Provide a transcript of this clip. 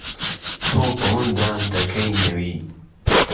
تۆ بڵندان دهکهی نهوی